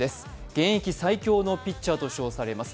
現役最強のピッチャーと称されます